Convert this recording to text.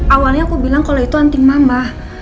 awalnya aku bilang kalau itu anting mamah